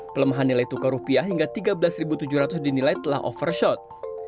pelemahan nilai tukar rupiah hingga tiga belas tujuh ratus dinilai telah overshot